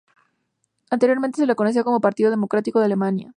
Anteriormente se le conocía como Partido Democrático de Alemania.